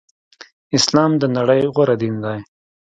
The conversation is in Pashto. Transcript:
اسلام د نړی غوره دین دی.